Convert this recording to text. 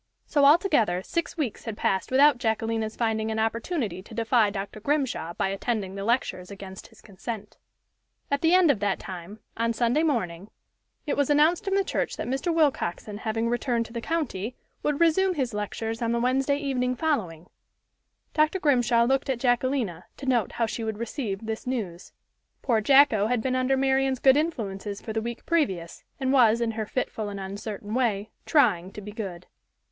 So, altogether, six weeks had passed without Jacquelina's finding an opportunity to defy Dr. Grimshaw by attending the lectures against his consent. At the end of that time, on Sunday morning, it was announced in the church that Mr. Willcoxen having returned to the county, would resume his lectures on the Wednesday evening following. Dr. Grimshaw looked at Jacquelina, to note how she would receive this news. Poor Jacko had been under Marian's good influences for the week previous, and was, in her fitful and uncertain way, "trying to be good."